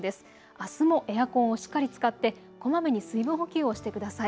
あすもエアコンをしっかり使ってこまめに水分補給をしてください。